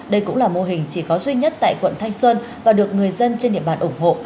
đây cũng là mô hình chỉ có duy nhất tại quận thanh xuân và được người dân trên địa bàn ủng hộ